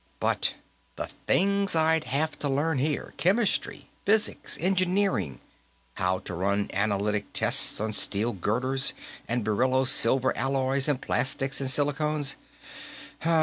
But the things I'd have to learn here chemistry, physics, engineering, how to run analytic tests on steel girders and beryllo silver alloys and plastics and silicones.